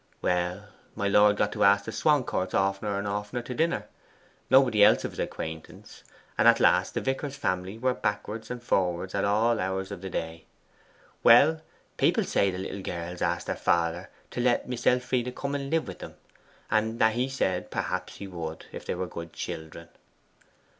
Well, my lord got to ask the Swancourts oftener and oftener to dinner nobody else of his acquaintance and at last the vicar's family were backwards and forwards at all hours of the day. Well, people say that the little girls asked their father to let Miss Elfride come and live with them, and that he said perhaps he would if they were good children.